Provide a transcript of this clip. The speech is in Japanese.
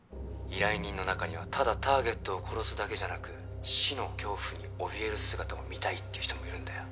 依頼人の中にはただターゲットを殺すだけじゃなく死の恐怖におびえる姿を見たいっていう人もいるんだよ